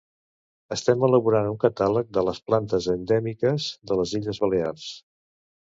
Estem elaborant un catàleg de les plantes endèmiques de les Illes balears.